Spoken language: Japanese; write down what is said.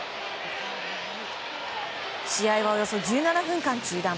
試合はおよそ１７分間中断。